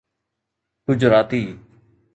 Gujarati